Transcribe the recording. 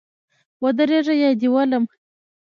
ودرېږه یا دي ولم